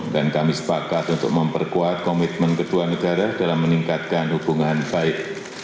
kami sepakat untuk memperkuat komitmen kedua negara dalam meningkatkan hubungan baik